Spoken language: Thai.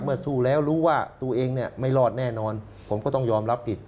สู้แล้วรู้ว่าตัวเองเนี่ยไม่รอดแน่นอนผมก็ต้องยอมรับผิด